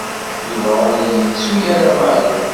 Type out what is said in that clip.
Yuba ur yettu ara Mary.